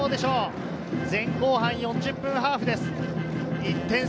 前後半４０分ハーフです、１点差。